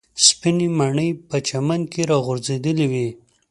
سپینې مڼې په چمن کې راغورځېدلې وې.